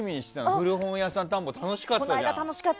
古本屋さん探訪楽しかったじゃん。